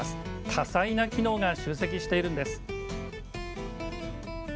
多彩な機能が集積しているんです。